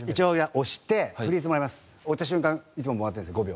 押した瞬間いつももらってるんです５秒。